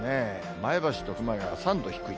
前橋と熊谷は３度低い。